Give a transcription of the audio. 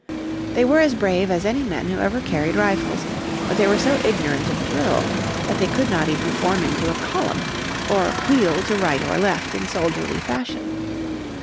They were as brave as any men who ever carried rifles, but they were so ignorant of drill that they could not even form into column or wheel to right or left in soldierly fashion.